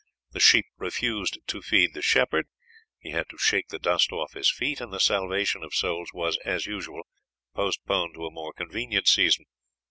The sheep refused to feed the shepherd; he had to shake the dust off his feet, and the salvation of souls was, as usual, postponed to a more convenient season.